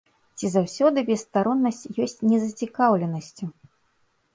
Ці заўсёды бесстароннасць ёсць незацікаўленасцю?